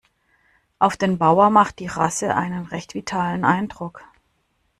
Auf den Bauer macht die Rasse einen recht vitalen Eindruck.